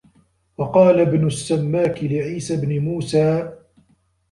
وَقَالَ ابْنُ السَّمَّاكِ لِعِيسَى بْنِ مُوسَى